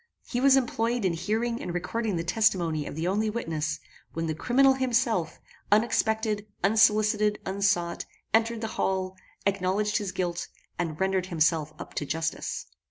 He was employed in hearing and recording the testimony of the only witness, when the criminal himself, unexpected, unsolicited, unsought, entered the hall, acknowledged his guilt, and rendered himself up to justice.